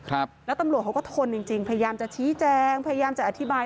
ครับแล้วตำรวจเขาก็ทนจริงจริงพยายามจะชี้แจงพยายามจะอธิบาย